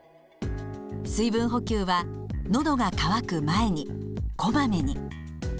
水分補給は「のどが渇く前に」「こまめに」。